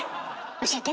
教えて！